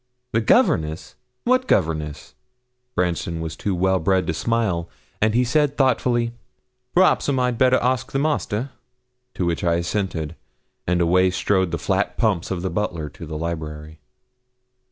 'The governess! What governess?' Branston was too well bred to smile, and he said thoughtfully 'P'raps, 'm, I'd best ask the master?' To which I assented, and away strode the flat pumps of the butler to the library.